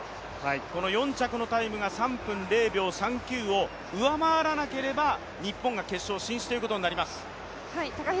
この４着のタイムが３分０秒３９を上回らなければ日本が決勝進出ということになります。